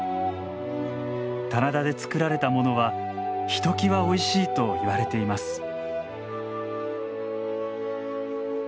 棚田で作られたものはひときわおいしいといわれています。